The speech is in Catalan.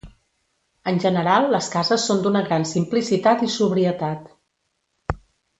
En general les cases són d'una gran simplicitat i sobrietat.